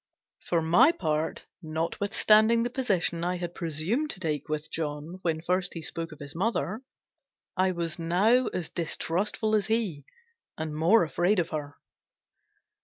For my part, notwithstanding the position I had presumed to take with John when first he spoke of his mother, I was now as distrustful as he, and more afraid of her.